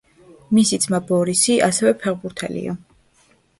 მისი ძმა, ბორისი, ასევე ფეხბურთელია.